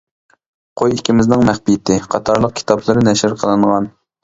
«قوي ئىككىمىزنىڭ مەخپىيىتى» قاتارلىق كىتابلىرى نەشر قىلىنغان.